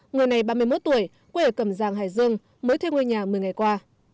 người này ba mươi một tuổi quê ở cầm giang hải dương mới thêm ngôi nhà một mươi ngày qua